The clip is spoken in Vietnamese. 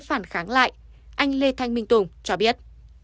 anh lê thanh minh tùng cho biết